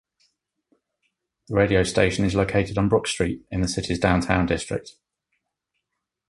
The radio station is located on Brook Street, in the city's downtown district.